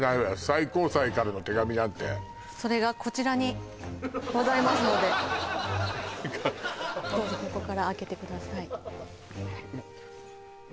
最高裁からの手紙なんてそれがこちらにございますのでどうぞここから開けてください